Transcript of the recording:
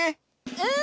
うん！